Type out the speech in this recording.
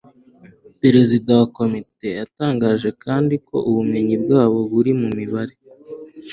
perezida wa komite yatangajekandi ko ubumenyi bwabo buri mu mibare